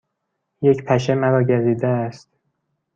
یک پشه مرا گزیده است.